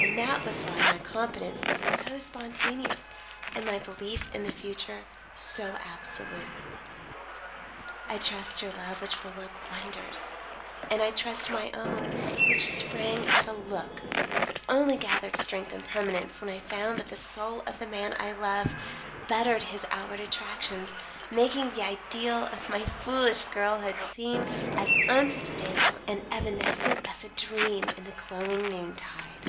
And that was why my confidence was so spontaneous and my belief in the future so absolute. "I trust your love which will work wonders; and I trust my own, which sprang at a look but only gathered strength and permanence when I found that the soul of the man I loved bettered his outward attractions, making the ideal of my foolish girlhood seem as unsubstantial and evanescent as a dream in the glowing noontide."